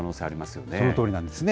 そのとおりなんですね。